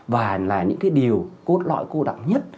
và là những điều cốt lõi cô đẳng nhất